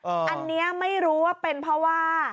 อันนี้ไม่รู้ว่าเป็นเพราะว่า